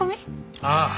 ああ。